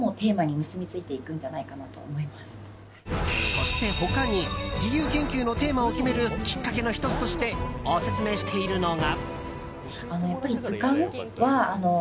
そして、他に自由研究のテーマを決めるきっかけの１つとしてオススメしているのが。